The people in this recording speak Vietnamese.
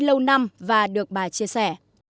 lâu năm và được bà chia sẻ